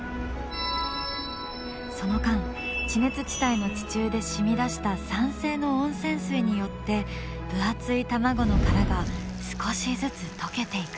その間地熱地帯の地中で染みだした酸性の温泉水によって分厚い卵の殻が少しずつ溶けていく。